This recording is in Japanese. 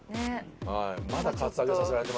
まだカツアゲさせられてます。